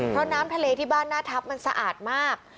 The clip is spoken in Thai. เพราะน้ำทะเลที่บ้านหน้าทัพมันสะอาดมาก